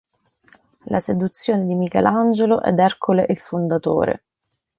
La seduzione di Michelangelo" ed "Ercole il fondatore".